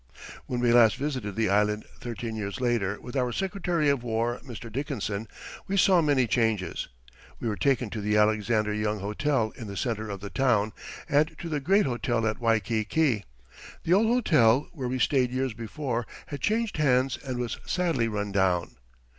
When we last visited this island thirteen years later with our Secretary of War, Mr. Dickinson, we saw many changes. We were taken to the Alexander Young Hotel in the center of the town, and to the great hotel at Waikiki. The old hotel, where we stayed years before, had changed hands and was sadly run down.